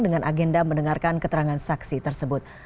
dengan agenda mendengarkan keterangan saksi tersebut